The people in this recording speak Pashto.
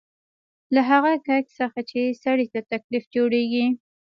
له هغه کېک څخه چې سړي ته تکلیف جوړېږي.